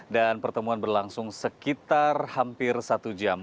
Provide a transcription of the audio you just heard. dan pertemuan berlangsung sekitar hampir satu jam